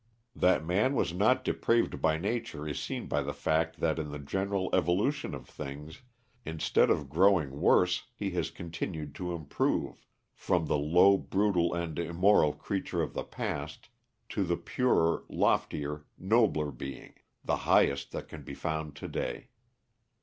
That man was not depraved by nature is seen by the fact that in the general evolution of things, instead of growing worse he has continued to improve from the low, brutal and immoral creature of the past, to the purer, loftier, nobler being the highest that can be found to day.